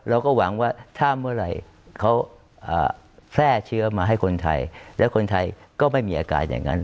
เราก็หวังว่าถ้าเมื่อไหร่เขาแพร่เชื้อมาให้คนไทยและคนไทยก็ไม่มีอาการอย่างนั้น